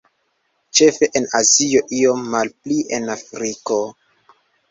Ĉefe en Azio, iom malpli en Afriko.